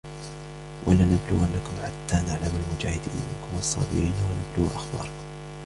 ولنبلونكم حتى نعلم المجاهدين منكم والصابرين ونبلو أخباركم